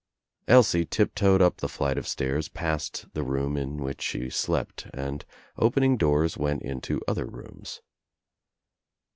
» Elsie tip toed up the flight of stairs past the room in which she slept and opening doors went into other rooms.